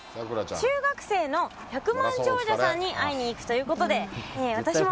中学生の百万長者さんに会いにいくということで私も